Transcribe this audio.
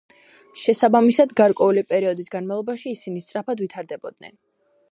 შესაბამისად, გარკვეული პერიოდის განმავლობაში ისინი სწრაფად ვითარდებოდნენ.